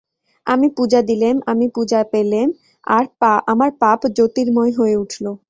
আমি পূজা দিলেম, আমি পূজা পেলেম, আমার পাপ জ্যোতির্ময় হয়ে উঠল।